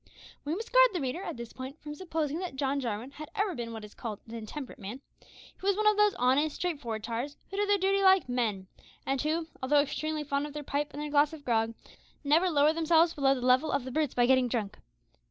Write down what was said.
We must guard the reader at this point from supposing that John Jarwin had ever been what is called an intemperate man. He was one of those honest, straightforward tars who do their duty like men, and who, although extremely fond of their pipe and their glass of grog, never lower themselves below the level of the brutes by getting drunk.